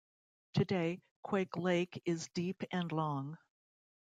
Today, Quake Lake is deep and long.